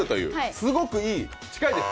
すごくいい、近いです。